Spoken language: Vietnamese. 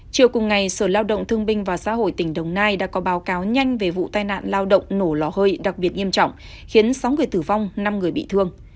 chiều cùng ngày sở lao động thương binh và xã hội tỉnh đồng nai đã có báo cáo nhanh về vụ tai nạn lao động nổ lò hơi đặc biệt nghiêm trọng khiến sáu người tử vong năm người bị thương